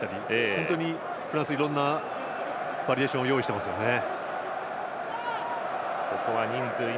本当にフランスはいろんなバリエーションを用意していますよね。